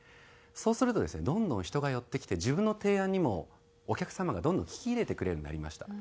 そうするとですねどんどん人が寄ってきて自分の提案にもお客様がどんどん聞き入れてくれるようになりました。